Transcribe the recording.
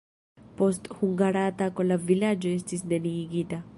Post hungara atako la vilaĝo estis neniigita.